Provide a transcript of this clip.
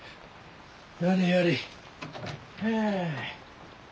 やれやれああ。